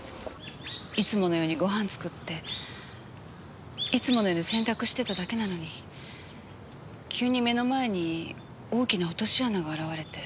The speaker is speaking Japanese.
いつものようにごはん作っていつものように洗濯してただけなのに急に目の前に大きな落とし穴が現れて。